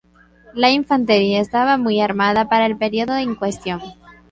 La infantería estaba muy armada para el periodo en cuestión.